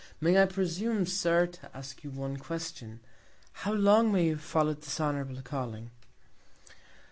May I presume, Sir, to ask you one Question; how long may you have follow'd this honourable Calling?